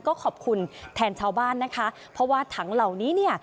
ก็ขอบคุณแทนชาวบ้านนะคะเพราะว่าถังเหล่านี้เนี่ย